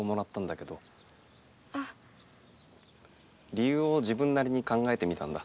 りゆうを自分なりに考えてみたんだ。